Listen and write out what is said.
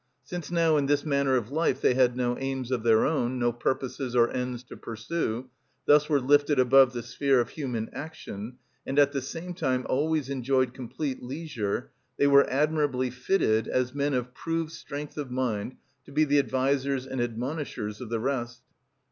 Since now in this manner of life they had no aims of their own, no purposes or ends to pursue, thus were lifted above the sphere of human action, and at the same time always enjoyed complete leisure, they were admirably fitted, as men of proved strength of mind, to be the advisers and admonishers of the rest.